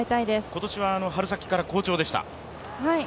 今年は春先から好調でした。